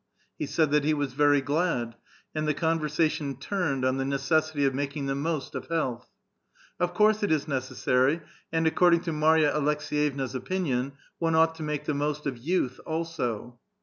He said that he was very glad, and the conversation turned on the necessity of making the most of health. " Of course it is necessary, and accordiug to Marya Aleks<5yevna's opinion, one ought to make the most of youth also.